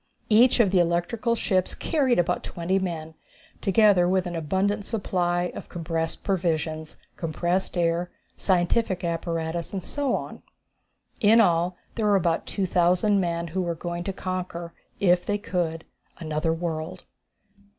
Each of the electrical ships carried about twenty men, together with an abundant supply of compressed provisions, compressed air, scientific apparatus and so on. In all, there were about 2,000 men, who were going to conquer, if they could, another world!